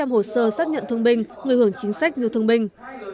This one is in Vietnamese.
hai sáu trăm linh hồ sơ xác nhận thương minh người hưởng chính sách như thương minh